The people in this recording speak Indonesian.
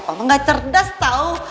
papa gak cerdas tau